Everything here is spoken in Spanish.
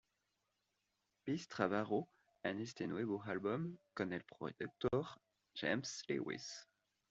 Peace trabajó en este nuevo álbum con el productor James Lewis.